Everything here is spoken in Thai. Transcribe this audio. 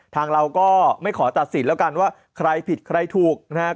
ทางเราก็ไม่ขอตัดสินแล้วกันว่าใครผิดใครถูกนะครับ